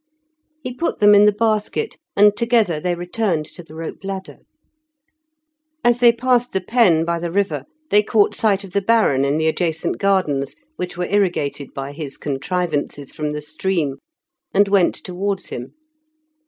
He put them in the basket, and together they returned to the rope ladder. As they passed the Pen by the river they caught sight of the Baron in the adjacent gardens, which were irrigated by his contrivances from the stream, and went towards him.